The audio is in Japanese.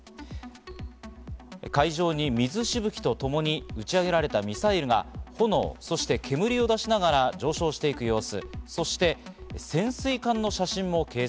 海上に水しぶきとともに打ち上げられたミサイルが煙を出しながら上昇していく様子。